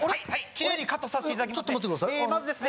きれいにカットさせていただきますね